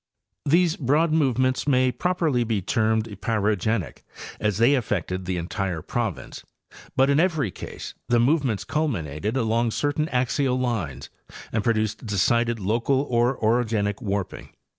These broad movements may properly be termed epeirogenic, as they affected the entire province, but in every case the movements culminated along certain axial lines and produced decided local or orogenic warping.